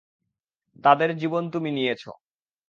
তাদের জীবন তুমি নিয়েছো।